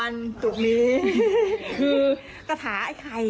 ไงกัน